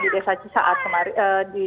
di desa saat di